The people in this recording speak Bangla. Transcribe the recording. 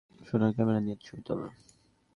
সোনার ক্যামেরা দিয়ে ছবি তোলে?